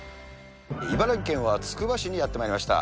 茨城県はつくば市にやってまいりました。